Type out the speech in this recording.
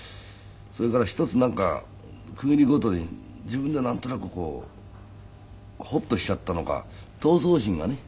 それから一つなんか区切りごとに自分ではなんとなくこうホッとしちゃったのか闘争心がね。